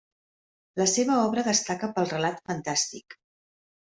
La seva obra destaca pel relat fantàstic.